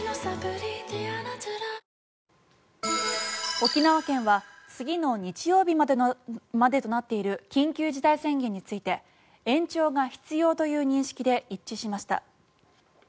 沖縄県は次の日曜日までとなっている緊急事態宣言について延長が必要という認識で一致しました。